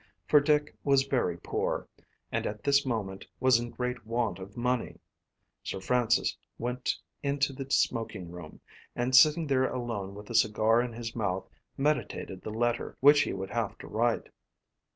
For Dick was very poor, and at this moment was in great want of money. Sir Francis went into the smoking room, and sitting there alone with a cigar in his mouth, meditated the letter which he would have to write.